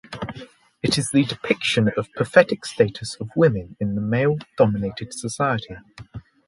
It is the depiction of pathetic status of women in the male dominated society.